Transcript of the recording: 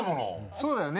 そうだよね。